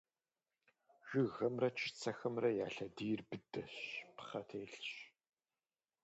Жыгхэмрэ чыцэхэмрэ я лъэдийхэр быдэщ, пхъэ телъщ.